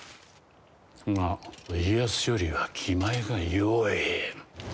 が家康よりは気前がよい。